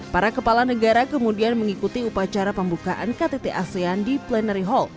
para kepala negara kemudian mengikuti upacara pembukaan ktt asean di plenary hall